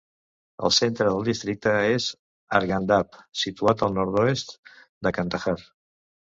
El centre del districte és Arghandab, situat al nord-oest de Kandahar.